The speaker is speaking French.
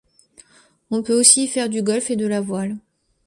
On peut aussi y faire du golf et de la voile.